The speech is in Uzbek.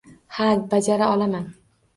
Ha, bajara olaman.